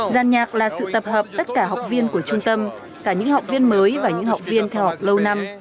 giàn nhạc là sự tập hợp tất cả học viên của trung tâm cả những học viên mới và những học viên theo học lâu năm